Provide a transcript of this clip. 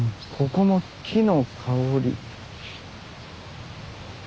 ここの木の香り。